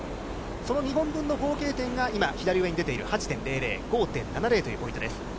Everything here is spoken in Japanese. その２本分の合計点が左上に出ている８．００、５．７０というポイントです。